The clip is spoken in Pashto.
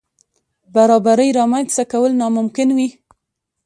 برابرۍ رامنځ ته کول ناممکن وي.